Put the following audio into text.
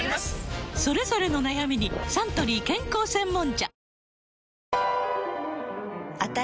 それぞれの悩みにサントリー健康専門茶